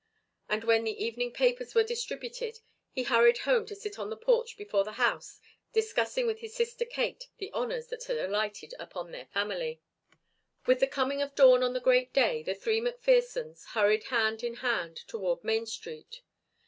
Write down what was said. And when the evening papers were distributed he hurried home to sit on the porch before the house discussing with his sister Kate the honours that had alighted upon their family. With the coming of dawn on the great day the three McPhersons hurried hand in hand toward Main Street.